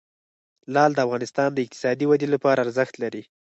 لعل د افغانستان د اقتصادي ودې لپاره ارزښت لري.